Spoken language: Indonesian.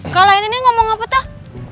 kau lainnya ngomong apa tuh